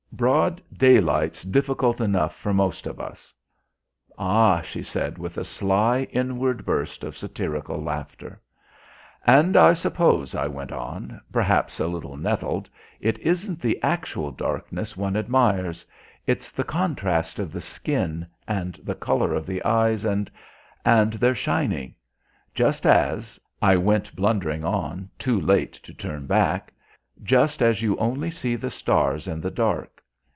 "Broad daylight's difficult enough for most of us." "Ah," she said, with a sly inward burst of satirical laughter. "And I suppose," I went on, perhaps a little nettled, "it isn't the actual darkness one admires, its the contrast of the skin, and the colour of the eyes, and and their shining. Just as," I went blundering on, too late to turn back, "just as you only see the stars in the dark.